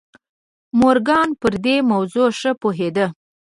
مورګان پر دې موضوع ښه پوهېده.